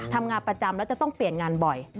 ทำงานประจำแล้วจะต้องเปลี่ยนงานบ่อย